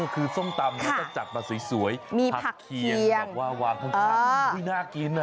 คือซ่อมตำจะจัดมาภาษาสวยมีผักเคียงหวางของข้างมีไม่นะกิน